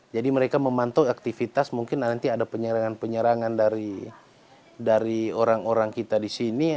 jadi mereka memantau aktivitas mungkin nanti ada penyerangan penyerangan dari orang orang kita di sini